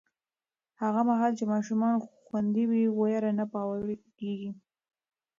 هغه مهال چې ماشومان خوندي وي، ویره نه پیاوړې کېږي.